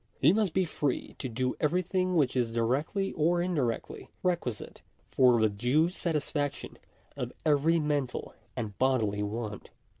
He must be free to do everything which is directly or indi rectly requisite for the due satisfaction of every mental and bodily want.